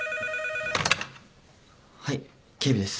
☎はい警備です。